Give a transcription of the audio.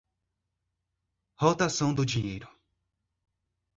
rotação do dinheiro